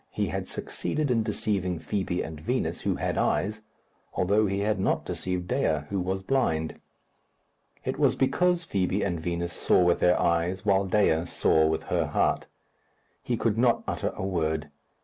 He had succeeded in deceiving Fibi and Vinos, who had eyes, although he had not deceived Dea, who was blind. It was because Fibi and Vinos saw with their eyes, while Dea saw with her heart. He could not utter a word.